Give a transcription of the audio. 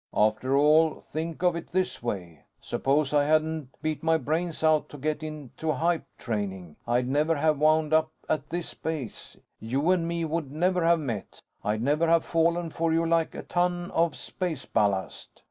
"After all, think of it this way. Suppose I hadn't beat my brains out to get into hype training? I'd never have wound up at this base. You and me would never have met. I'd never have fallen for you like a ton of space ballast."